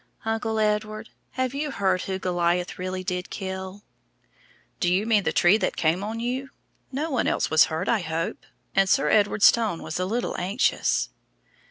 "Uncle Edward, have you heard who Goliath really did kill?" "Do you mean the tree that came on you? No one else was hurt, I hope?" and Sir Edward's tone was a little anxious.